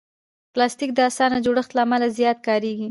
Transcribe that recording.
پلاستيک د اسانه جوړښت له امله زیات کارېږي.